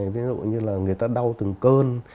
ví dụ như là người ta đau từng cơn